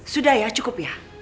sudah ya cukup ya